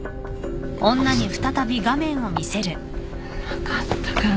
分かったから。